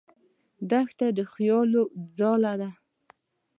دښته د فکرو ځاله ده.